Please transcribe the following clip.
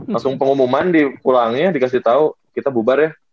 langsung pengumuman di pulangnya dikasih tau kita bubar ya